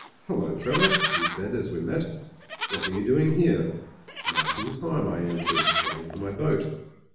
"Hullo! Trevor," he said, as we met. What are you doing here?" "Marking time," I answered. "Waiting for my boat."